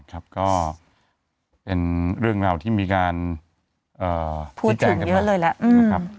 ก็เป็นเรื่องราวที่มีการพูดถึงเยอะเลยแล้วนะครับ